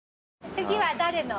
次は誰の？